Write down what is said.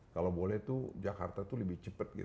kalau boleh tuh jakarta tuh lebih cepet gitu